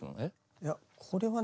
いやこれはね